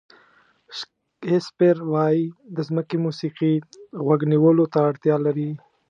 شکسپیر وایي د ځمکې موسیقي غوږ نیولو ته اړتیا لري.